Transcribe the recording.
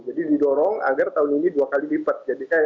jadi didorong agar tahun ini dua x lipat